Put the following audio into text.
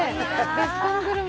「ベスコングルメ」